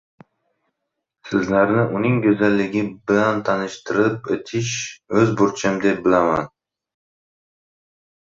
Sizlarni uning go‘zalligi bilan tanishtirib o‘tishni o‘z burchim deb bilaman.